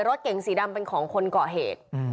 รถเก๋งสีดำเป็นของคนก่อเหตุ